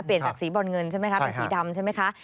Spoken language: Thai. เปลี่ยนจากสีบอลเงินใช่ไหมคะเป็นสีดำใช่ไหมคะ